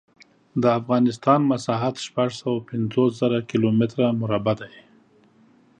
د افغانستان مسحت شپږ سوه پنځوس زره کیلو متره مربع دی.